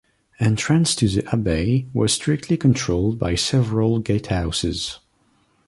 Entrance to the abbey was strictly controlled by several gatehouses.